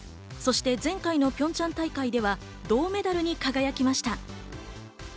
そして前回のピョンチャン大会では銅メダルに輝きました。